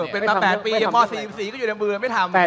เป็นมา๘ปีม๔๔ก็อยู่ในมือไม่ทำ